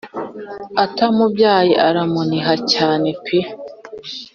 atamubyaye aramuniha cyane pe